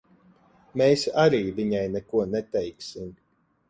Mēs arī viņai neko neteiksim.